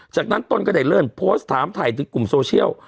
จากนั้นต้นก็ได้เลื่อนโพสต์ถามถ่ายถึงกลุ่มโซเชียล